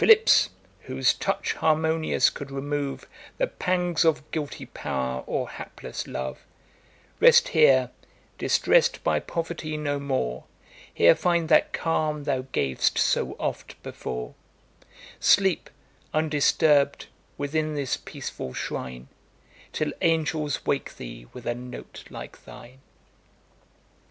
] 'Philips, whose touch harmonious could remove The pangs of guilty power or hapless love; Rest here, distress'd by poverty no more, Here find that calm thou gav'st so oft before; Sleep, undisturb'd, within this peaceful shrine, Till angels wake thee with a note like thine!'